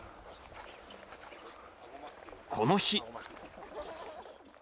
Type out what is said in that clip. この日。